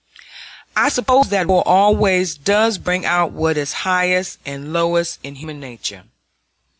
I suppose that war always does bring out what is highest and lowest in human nature.